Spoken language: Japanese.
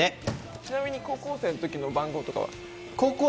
ちなみに高校生の時の番号は？